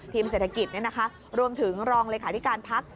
ทีมเศรษฐกิจรวมถึงรองรัฐการพัก